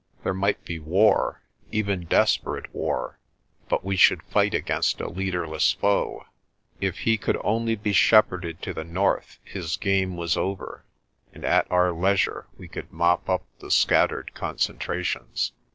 There might be war, even desperate war, but we should fight against a leaderless foe. If he could only be shepherded to the north his game was over, and at our leisure we could mop up the scattered concentrations.